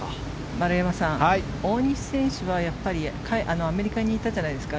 丸山さん、大西選手はアメリカに行ったじゃないですか。